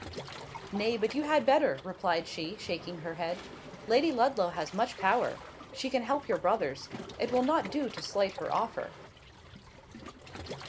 "Nay! but you had better," replied she, shaking her head. "Lady Ludlow has much power. She can help your brothers. It will not do to slight her offer."